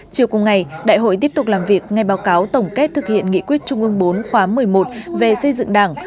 chiều cùng ngày đại hội tiếp tục làm việc ngay báo cáo tổng kết thực hiện nghị quyết trung ương bốn khóa một mươi một về xây dựng đảng